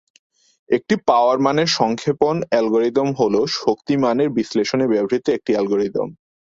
একটি পাওয়ার মানের সংক্ষেপণ অ্যালগরিদম হ'ল শক্তি মানের বিশ্লেষণে ব্যবহৃত একটি অ্যালগরিদম।